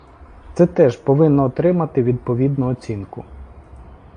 Це теж повинно отримати відповідну оцінку.